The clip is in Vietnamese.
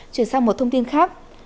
chuyển sang một thông tin khác